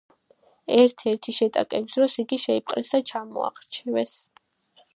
ერთ-ერთი შეტაკების დროს იგი შეიპყრეს და ჩამოახრჩვეს.